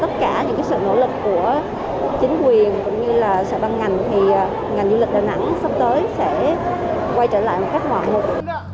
thì ngành du lịch đà nẵng sắp tới sẽ quay trở lại một cách ngoài mục